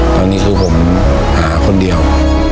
ตอนนี้คือผมหาคนเดียว